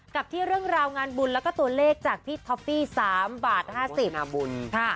กับที่เรื่องราวงานบุญแล้วก็ตัวเลขจากพี่ท็อฟฟี่๓บาท๕๐นาบุญ